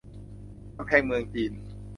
กำแพงเมืองจีน